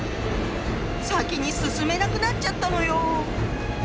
先に進めなくなっちゃったのよ！